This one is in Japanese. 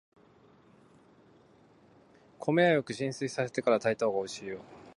米はよく浸水させてから炊いたほうがおいしいよ。